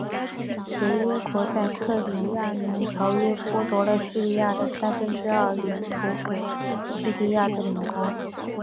协约国在特里亚农条约剥夺了匈牙利的三分之二领土给匈牙利的邻国。